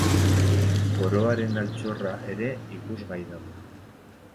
Koroaren altxorra ere ikusgai dago.